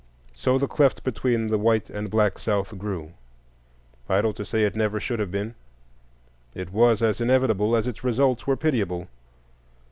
So the cleft between the white and black South grew. Idle to say it never should have been; it was as inevitable as its results were pitiable.